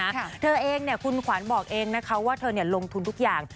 เธอเองเนี่ยคุณขวัญบอกเองนะคะว่าเธอเนี่ยลงทุนทุกอย่าง